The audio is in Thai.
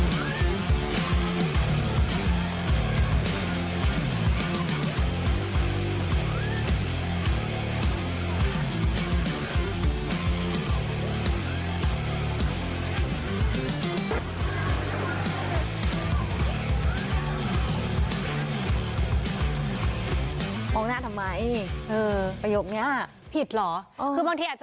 มองหน้าทำไมเออประโยคนี้ผิดเหรอคือบางทีอาจจะ